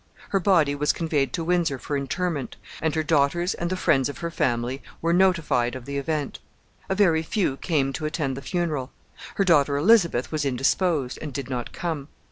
Her body was conveyed to Windsor for interment, and her daughters and the friends of her family were notified of the event. A very few came to attend the funeral. Her daughter Elizabeth was indisposed, and did not come.